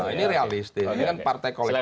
ini realistik ini kan partai kolektif